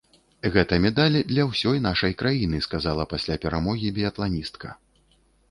Гэта медаль для ўсёй нашай краіны, сказала пасля перамогі біятланістка.